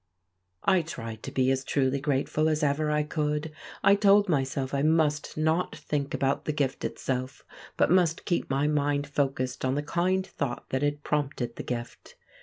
I tried to be as truly grateful as ever I could; I told myself I must not think about the gift itself, but must keep my mind focused on the kind thought that had prompted the gift.